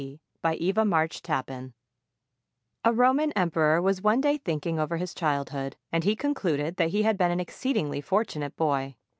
D.] BY EVA MARCH TAPPAN A Roman emperor was one day thinking over his child hood, and he concluded that he had been an exceedingly fortunate boy.